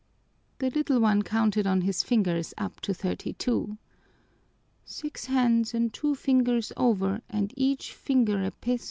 The little one counted on his fingers up to thirty two. "Six hands and two fingers over and each finger a peso!"